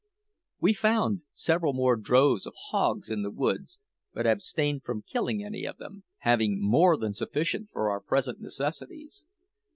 We found several more droves of hogs in the woods, but abstained from killing any of them, having more than sufficient for our present necessities.